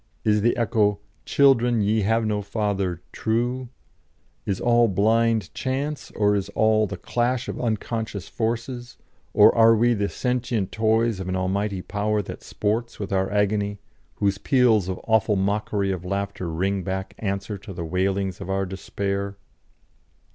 Is the echo, 'Children, ye have no Father,' true? Is all blind chance, is all the clash of unconscious forces, or are we the sentient toys of an Almighty Power that sports with our agony, whose peals of awful mockery of laughter ring back answer to the wailings of our despair?"